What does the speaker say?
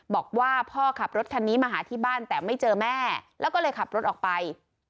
บอกว่าพ่อขับรถคันนี้มาหาที่บ้านแต่ไม่เจอแม่แล้วก็เลยขับรถออกไป